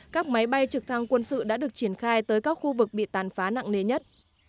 các máy bay trực thăng quân sự đã được triển khai tới các khu vực bị tàn phá nặng nề nhất